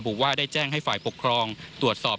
แสดงให้ฝ่ายปกครองตรวจสอบ